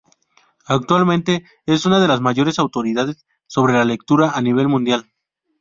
Actualmente es una de las mayores autoridades sobre la lectura a nivel mundial.